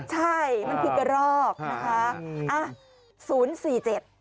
ใช่มันคือกะรอกนะคะ